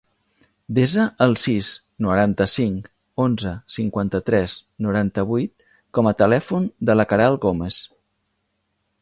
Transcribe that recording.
Desa el sis, noranta-cinc, onze, cinquanta-tres, noranta-vuit com a telèfon de la Queralt Gomes.